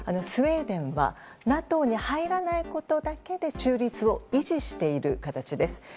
スウェーデンはＮＡＴＯに入らないことだけで中立を維持している形です。